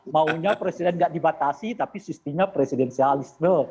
maunya presiden nggak dibatasi tapi sistemnya presidensialisme